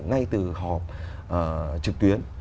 ngay từ họp trực tuyến